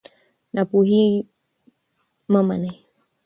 ناپوهي مه منئ.